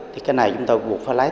thì cái này chúng tôi buộc phải lái